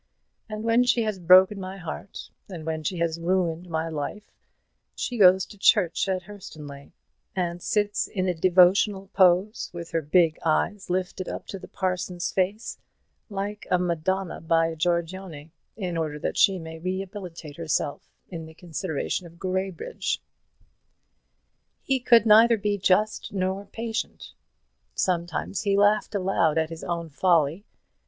And when she has broken my heart, and when she has ruined my life, she goes to church at Hurstonleigh, and sits in a devotional pose, with her big eyes lifted up to the parson's face, like a Madonna by Giorgione, in order that she may rehabilitate herself in the consideration of Graybridge." He could neither be just nor patient. Sometimes he laughed aloud at his own folly.